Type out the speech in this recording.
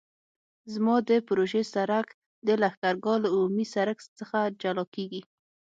زما د پروژې سرک د لښکرګاه له عمومي سرک څخه جلا کیږي